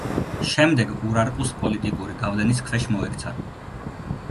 შემდეგ ურარტუს პოლიტიკური გავლენის ქვეშ მოექცა.